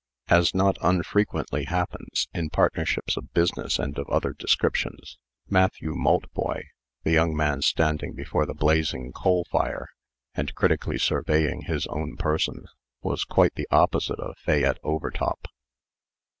As not unfrequently happens, in partnerships of business and of other descriptions, Matthew Maltboy the young man standing before the blazing coal fire, and critically surveying his own person was quite the opposite of Fayette Overtop.